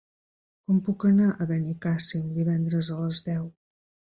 Com puc anar a Benicàssim divendres a les deu?